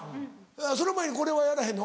その前にこれはやらへんの？